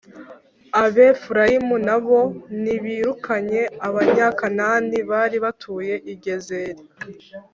Abefurayimu na bo ntibirukanye Abanyakanani bari batuye i Gezeri.